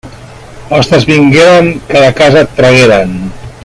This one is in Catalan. Hostes vingueren que de casa ens tragueren.